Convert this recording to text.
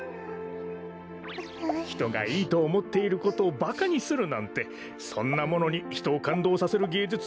ひとがいいとおもっていることをばかにするなんてそんなものにひとをかんどうさせるげいじゅつさくひんはつくれないダロ？